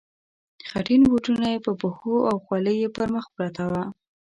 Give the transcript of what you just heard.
خټین بوټونه یې په پښو او خولۍ یې پر مخ پرته وه.